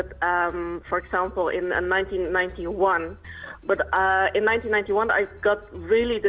tapi pada tahun seribu sembilan ratus sembilan puluh satu saya sangat berpikir